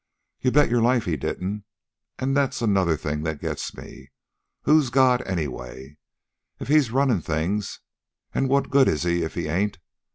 "You bet your life he didn't. An' that's another thing that gets me. Who's God anyway? If he's runnin' things an' what good is he if he ain't?